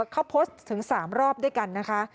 เขาโพสต์ถึง๓รอบด้วยกันนะคะ